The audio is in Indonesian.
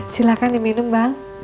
silahkan diminum bang